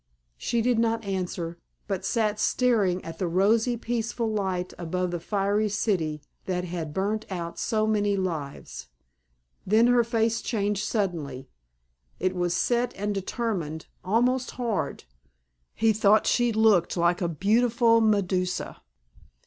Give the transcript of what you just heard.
She did not answer, but sat staring at the rosy peaceful light above the fiery city that had burnt out so many lives. Then her face changed suddenly. It was set and determined, almost hard. He thought she looked like a beautiful Medusa.